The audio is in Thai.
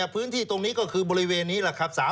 พื้นที่ตรงนี้ก็คือบริเวณนี้แหละครับ